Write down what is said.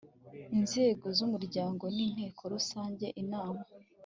Inzego z umuryango n inteko Rusange inama